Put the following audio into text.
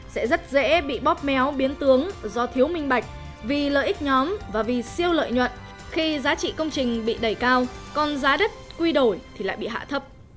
sẽ rất dễ bị bóp méo biến tướng do thiếu minh bạch vì lợi ích nhóm và vì siêu lợi nhuận khi giá trị công trình bị đẩy cao còn giá đất quy đổi thì lại bị hạ thấp